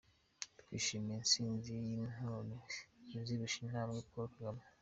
twishimiye intsinzi y'Intore izirusha intambwe, Paul Kagame".